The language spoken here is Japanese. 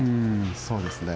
そうですね。